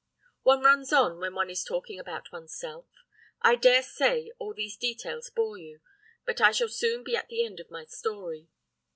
"One runs on when one is talking about one's self. I dare say all these details bore you, but I shall soon be at the end of my story.